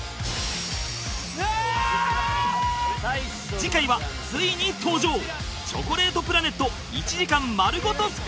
次回はついに登場チョコレートプラネット１時間丸ごとスペシャル